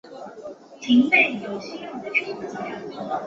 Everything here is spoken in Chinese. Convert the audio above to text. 玄界滩是九州西北部的海域。